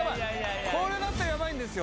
これなったらヤバいんですよ